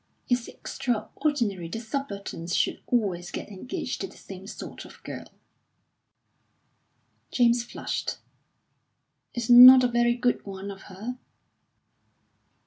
"It's extraordinary that subalterns should always get engaged to the same sort of girl." James flushed, "It's not a very good one of her."